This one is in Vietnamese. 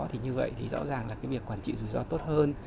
thì như vậy thì rõ ràng là cái việc quản trị rủi ro tốt hơn